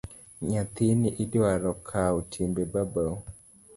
Nyathini idwaro kawo timbe babau.